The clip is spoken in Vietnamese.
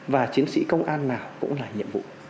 và chiến sĩ công an nào cũng là nhiệm vụ